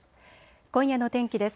今夜の天気です。